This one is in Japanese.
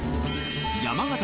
山形